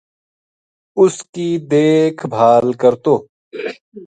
اُس کی دیکھ بھال کرتو